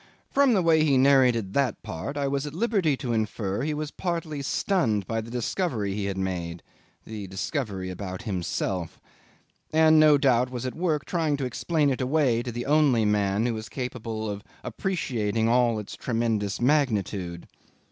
From the way he narrated that part I was at liberty to infer he was partly stunned by the discovery he had made the discovery about himself and no doubt was at work trying to explain it away to the only man who was capable of appreciating all its tremendous magnitude.